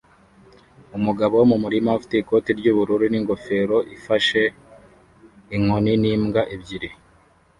Umugabo mu murima ufite Ikoti ry'ubururu n'ingofero ifashe inkoni n'imbwa ebyiri